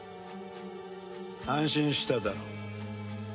安心しただろう。